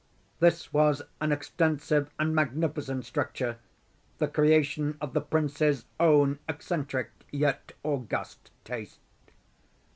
This was an extensive and magnificent structure, the creation of the prince's own eccentric yet august taste.